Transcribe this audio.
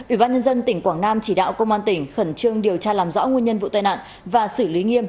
ủy ban nhân dân tỉnh quảng nam chỉ đạo công an tỉnh khẩn trương điều tra làm rõ nguyên nhân vụ tai nạn và xử lý nghiêm